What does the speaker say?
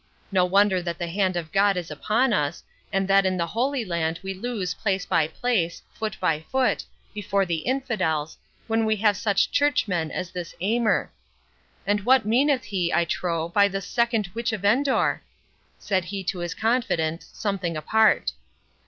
No wonder that the hand of God is upon us, and that in the Holy Land we lose place by place, foot by foot, before the infidels, when we have such churchmen as this Aymer.—And what meaneth he, I trow, by this second Witch of Endor?" said he to his confident, something apart.